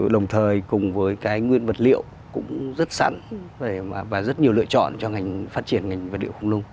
đồng thời cùng với cái nguyên vật liệu cũng rất sẵn và rất nhiều lựa chọn cho ngành phát triển ngành vật liệu không nung